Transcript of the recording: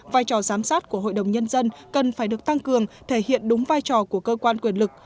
vai trò giám sát của hội đồng nhân dân cần phải được tăng cường thể hiện đúng vai trò của cơ quan quyền lực